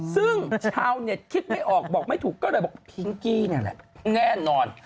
ซึ่งชาวเน็ตคิดไม่ออกบอกไม่ถูกก็เลยบอกพิงกี้นี่แหละแน่นอน